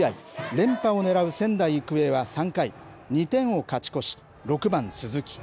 連覇を狙う仙台育英は３回、２点を勝ち越し、６番すずき。